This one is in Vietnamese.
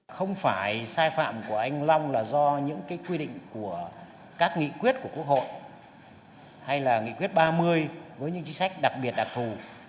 không phải sai phạm của anh long là do những quy định của các nghị quyết của quốc hội hay là nghị quyết ba mươi với những chính sách đặc biệt đặc thù